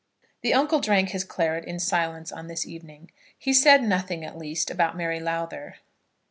The uncle drank his claret in silence on this evening. He said nothing, at least, about Mary Lowther.